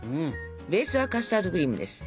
ベースはカスタードクリームです。